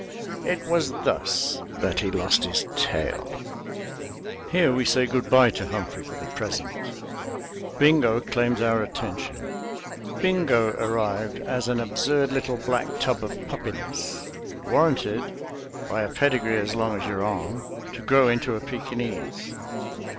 It was thus that he lost his tail. Here we say good bye to Humphrey for the present; Bingo claims our attention. Bingo arrived as an absurd little black tub of puppiness, warranted (by a pedigree as long as your arm) to grow into a Pekinese.